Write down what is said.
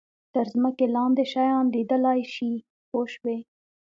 تر ځمکې لاندې شیان لیدلای شي پوه شوې!.